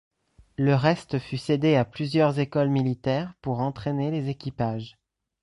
Le reste fut cédé à plusieurs écoles militaires pour entraîner les équipages.